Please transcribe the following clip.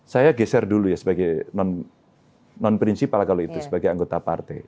saya geser dulu ya sebagai non prinsipal kalau itu sebagai anggota partai